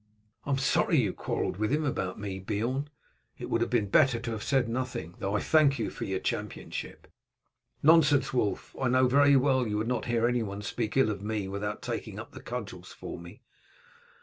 "I am sorry you quarrelled with him about me, Beorn. It would have been better to have said nothing, though I thank you for your championship." "Nonsense, Wulf. I know very well you would not hear anyone speak ill of me without taking up the cudgels for me."